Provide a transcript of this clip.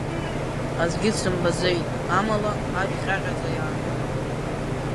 Аӡәгьы дсымбаӡеит, амала, ашә ҟьаҟьаӡа иаартын.